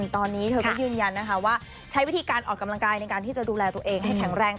ตอนนี้เธอก็ยืนยันนะคะว่าใช้วิธีการออกกำลังกายในการที่จะดูแลตัวเองให้แข็งแรง